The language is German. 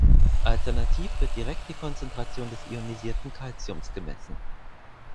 Alternativ wird direkt die Konzentration des ionisierten Calciums gemessen.